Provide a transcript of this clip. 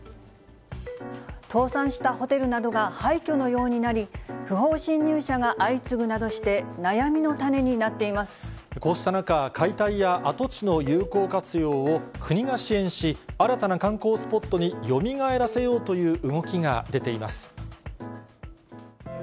倒産したホテルなどが廃虚のようになり、不法侵入者が相次ぐなどして、悩みの種になっていまこうした中、解体や跡地の有効活用を、国が支援し、新たな観光スポットによみがえらせようという動きが出ています。